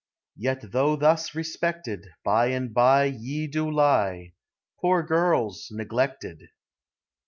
Yet though thus respected, By and by Ye doe lie, Poore girles! neglected.